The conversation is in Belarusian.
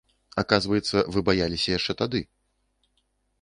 Аказваецца, вы баяліся яшчэ тады.